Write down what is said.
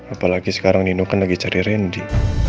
apalagi sekarang nino kan lagi cari randy